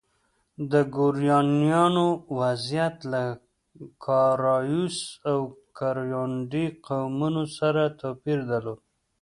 د ګورانیانو وضعیت له کارایوس او کیورانډي قومونو سره توپیر درلود.